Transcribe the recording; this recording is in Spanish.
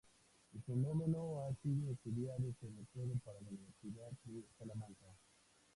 El fenómeno ha sido estudiado sobre todo para la Universidad de Salamanca.